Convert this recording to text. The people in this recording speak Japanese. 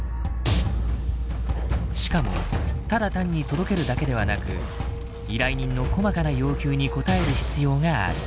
しかもただ単に届けるだけではなく依頼人の細かな要求に応える必要がある。